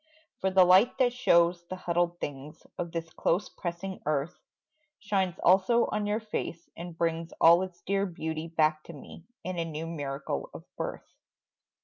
For the light that shows the huddled things Of this close pressing earth, Shines also on your face and brings All its dear beauty back to me In a new miracle of birth.